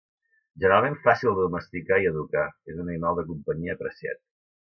Generalment fàcil de domesticar i educar, és un animal de companyia apreciat.